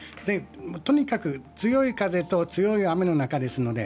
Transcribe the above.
とにかく強い風と強い雨の中ですので